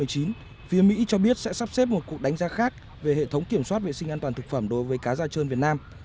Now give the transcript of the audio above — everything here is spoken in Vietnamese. phía mỹ cho biết sẽ sắp xếp một cuộc đánh giá khác về hệ thống kiểm soát vệ sinh an toàn thực phẩm đối với cá da trơn việt nam